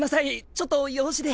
ちょっと用事で。